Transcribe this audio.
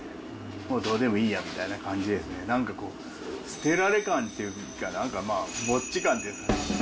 もうどうでもいいやみたいな感じでですね、なんかこう、捨てられ感っていうか、なんか、ぼっち感っていうんですかね。